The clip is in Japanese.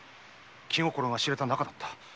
気心が知れた仲だった。